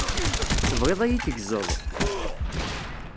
Tebɣiḍ ad yi-teggzeḍ?